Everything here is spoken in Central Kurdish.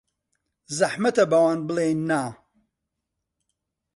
زەحمەتە بەوان بڵێین نا.